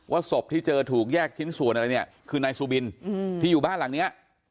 ศพที่เจอถูกแยกชิ้นส่วนอะไรเนี่ยคือนายซูบินที่อยู่บ้านหลังเนี้ย